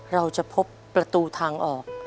เราจะพบประตูทางออก